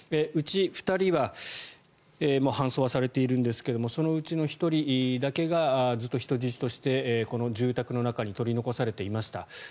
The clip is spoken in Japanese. うち２人はもう搬送されているんですけどそのうちの１人だけがずっと人質としてこの住宅の中に取り残されていました。